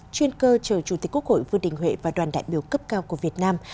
chuyên cơ chờ chủ tịch quốc hội vương đình huệ và đoàn đại biểu cấp cao của việt nam